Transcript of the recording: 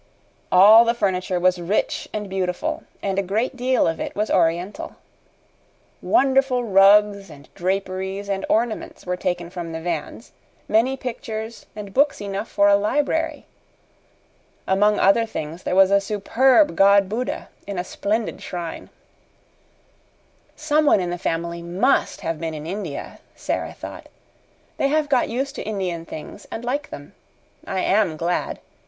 All the furniture was rich and beautiful, and a great deal of it was Oriental. Wonderful rugs and draperies and ornaments were taken from the vans, many pictures, and books enough for a library. Among other things there was a superb god Buddha in a splendid shrine. "Someone in the family MUST have been in India," Sara thought. "They have got used to Indian things and like them. I AM glad.